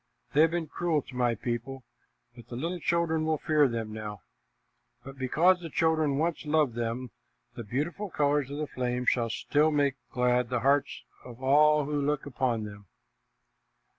They have been cruel to my people, and the little children will fear them now; but because the children once loved them, the beautiful colors of the flames shall still live to make glad the hearts of all who look upon them."